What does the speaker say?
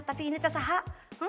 tapi ini tersahak